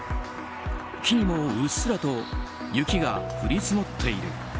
木にもうっすらと雪が降り積もっている。